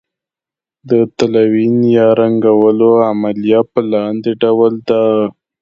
د تلوین یا رنګولو عملیه په لاندې ډول ده.